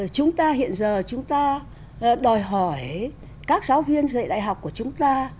chúng ta hiện giờ chúng ta đòi hỏi các giáo viên dạy đại học của chúng ta